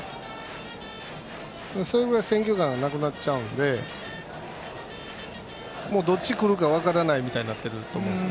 選球眼がなくなっちゃうのでどっち来るか分からないくらいになってると思うんですよ